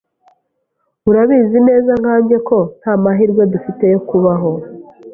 Urabizi neza nkanjye ko nta mahirwe dufite yo kubaho.